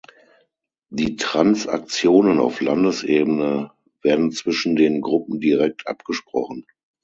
Die Transaktionen auf Landesebene werden zwischen den Gruppen direkt abgesprochen.